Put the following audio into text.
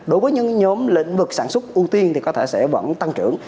đối với những nhóm lĩnh vực sản xuất ưu tiên thì có thể sẽ vẫn tăng trưởng